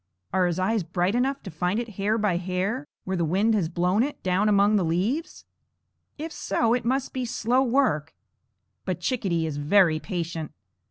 Are his eyes bright enough to find it hair by hair where the wind has blown it, down among the leaves? If so, it must be slow work; but Chickadee is very patient.